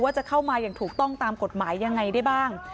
จะเข้ามาอย่างถูกต้องตามกฎหมายยังไงได้บ้าง